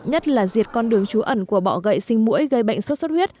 nhất là diệt con đường trú ẩn của bọ gậy sinh mũi gây bệnh sốt xuất huyết